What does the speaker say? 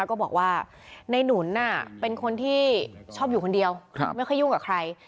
ก็บอกว่าในหนุนเป็นคนที่ชอบอยู่คนเดียวไม่ค่อยยุ่งกับใคร